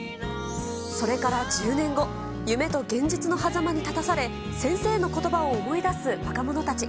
それから１０年後、夢と現実のはざまに立たされ、先生のことばを思い出す若者たち。